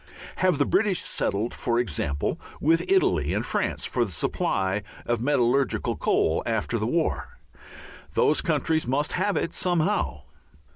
Have the British settled, for example, with Italy and France for the supply of metallurgical coal after the war? Those countries must have it somehow.